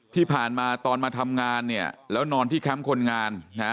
ที่ผ่านมาตอนมาทำงานเนี่ยแล้วนอนที่แคมป์คนงานนะ